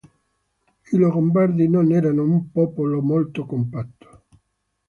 I Longobardi non erano un popolo molto compatto.